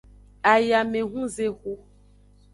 Ayamehunzexu.